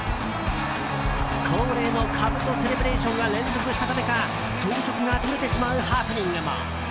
恒例のかぶとセレブレーションが連続したためか装飾が取れてしまうハプニングも。